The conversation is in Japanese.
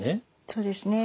そうですね。